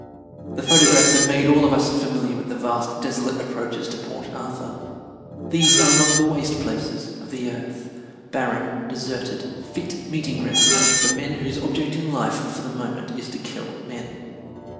The photographs have made all of us familiar with the vast, desolate approaches to Port Arthur. These are among the waste places of the earth barren, deserted, fit meeting grounds only for men whose object in life for the moment is to kill men.